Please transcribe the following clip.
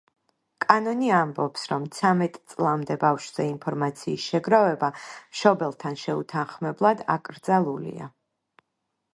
კანონი ამბობს, რომ ცამეტ წლამდე ბავშვზე ინფორმაციის შეგროვება მშობელთან შეუთანხმებლად აკრძალულია.